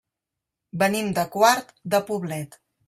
Venim de Quart de Poblet.